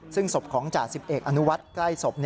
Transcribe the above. ซึ่งสบของจาสิบเอกอนุวัติใกล้สบ